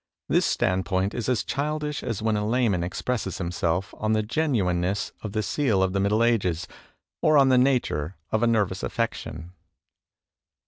This standpoint is as childish as when a layman expresses himself on the genuineness of the seal of the middle ages or on the nature of a nervous affection."